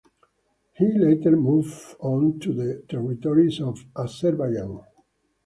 He later moved on to the territories of Azerbaijan.